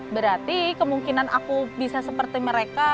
berarti kemungkinan aku bisa seperti mereka